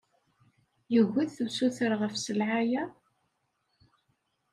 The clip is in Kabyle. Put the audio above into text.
Yegget ussuter ɣef sselɛa-a?